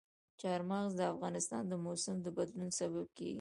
چار مغز د افغانستان د موسم د بدلون سبب کېږي.